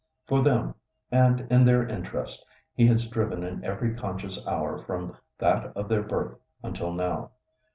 For them, and in their interest, he had striven in every conscious hour from that of their birth until now.